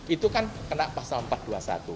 itu kan kena pasal empat ratus dua puluh satu